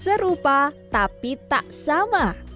serupa tapi tak sama